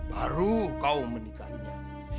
baru kau menikahinya